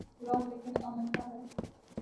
یہ وقت لیکن عمل کا ہے۔